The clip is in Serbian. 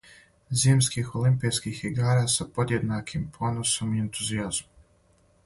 Зимских олимпијских игара са подједнаким поносом и ентузијазмом.